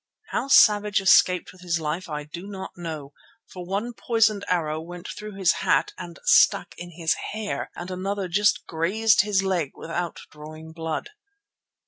How Savage escaped with his life I do not know, for one poisoned arrow went through his hat and stuck in his hair and another just grazed his leg without drawing blood.